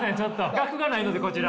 学がないのでこちら。